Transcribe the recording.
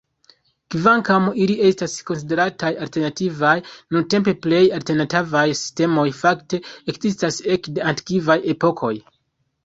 Kvankam ili estas konsiderataj "alternativaj" nuntempe, plej alternativaj sistemoj fakte ekzistis ekde antikvaj epokoj.